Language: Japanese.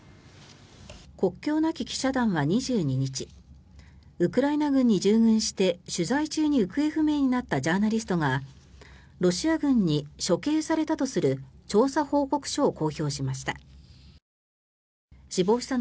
国境なき記者団は２２日ウクライナ軍に従軍して取材中に行方不明になったジャーナリストがロシア軍に処刑されたとする調査報告書を公表しました。